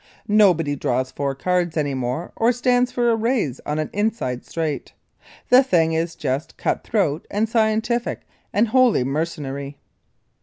Nobody draws four cards any more or stands for a raise on an inside straight. The thing is just cut throat and scientific and wholly mercenary.